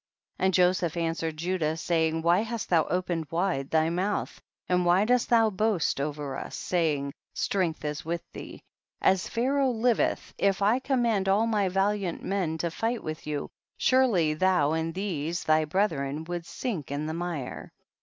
9. And Joseph answered Judah, saying, why hast thou opened wide thy mouth and why dost thou boast over us, saying, strength is with thee ? as Pharaoh liveth, if I com mand all my valiant men to fight with you, surely thou and these thy brethren would sink in the mire.